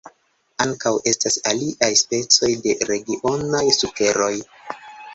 Ankaŭ estas aliaj specoj de regionaj sukeroj.